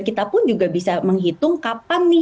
kita pun juga bisa menghitung kapan nih